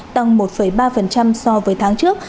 tăng một ba so với tháng trước